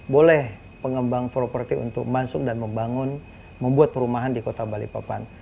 boleh pengembang properti untuk masuk dan membangun membuat perumahan di kota balikpapan